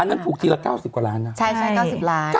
อันนั้นถูกทีละเก้าสิบกว่าร้านใช่ใช่เก้าสิบกว่าร้าน